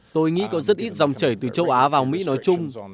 tôi nghĩ có rất ít dòng chảy từ châu á vào mỹ nói chung